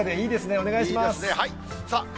お願いします。